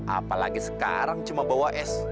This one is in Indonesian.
apalagi sekarang cuma bawa es